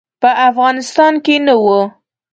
په افغانستان کې نه وو.